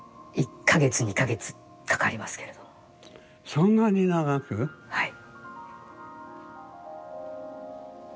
そんなに長く⁉はい。